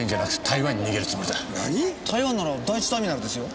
台湾なら第１ターミナルですよ。